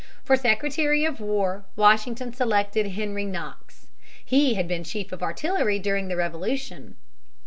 For Secretary of War, Washington selected Henry Knox. He had been Chief of Artillery during the Revolution.